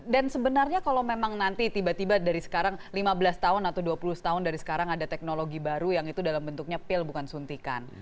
dan sebenarnya kalau memang nanti tiba tiba dari sekarang lima belas tahun atau dua puluh tahun dari sekarang ada teknologi baru yang itu dalam bentuknya pil bukan suntikan